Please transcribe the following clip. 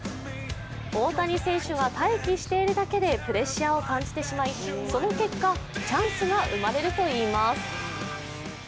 大谷選手が待機しているだけでプレッシャーを感じてしまい、その結果、チャンスが生まれるといいます。